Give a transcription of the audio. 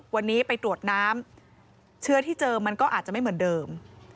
วันนี้ไปตรวจน้ำเชื้อที่เจอมันก็อาจจะไม่เหมือนเดิม